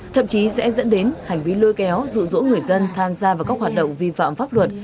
thậm chí sẽ dẫn đến hành vi lôi kéo dụ dỗ người dân tham gia vào các hoạt động vi phạm pháp luật